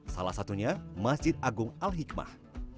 salah satunya masjid agung al hikmah